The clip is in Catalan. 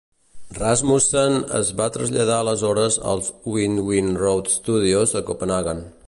Rasmussen es va traslladar aleshores als Winding Road Studios a Copenhaguen.